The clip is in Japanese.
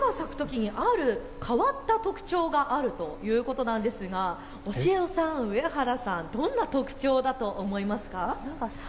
花が咲くときにある変わった特徴があるということなんですが、押尾さん、上原さん、どんな特徴だと思いますか。